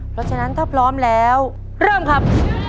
เพราะฉะนั้นถ้าพร้อมแล้วเริ่มครับ